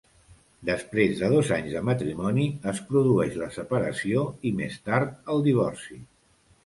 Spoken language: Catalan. Després de dos anys de matrimoni es produeix la separació i més tard el divorci.